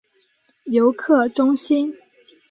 游客中心